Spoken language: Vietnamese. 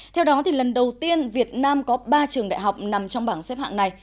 theo đó lần đầu tiên việt nam có ba trường đại học nằm trong bảng xếp hạng này